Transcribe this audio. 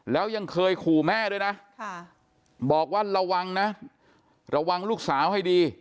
แล้วยังเคยขู่แม่ด้วยนะบอกว่าระวังนะระวังลูกสาวให้ดี